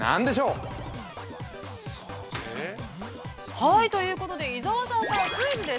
◆はい、ということで、伊沢さんからクイズです。